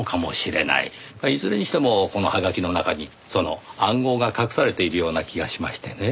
まあいずれにしてもこのハガキの中にその暗号が隠されているような気がしましてねぇ。